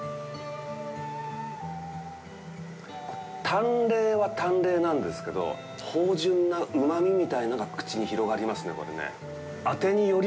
淡麗は淡麗なんですけど、芳醇なうまみみたいなのが口に広がりますね、これね。